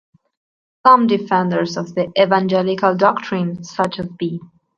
Some defenders of the evangelical doctrine such as B.